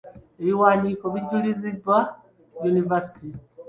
Ebiwandiiko ebijuliziddwa Univerisity.